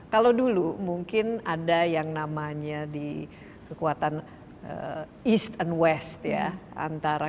kalau dulu mungkin ada yang namanya di kekuatan east and west ya